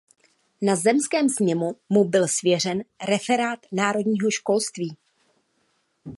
Na zemském sněmu mu byl svěřen referát národního školství.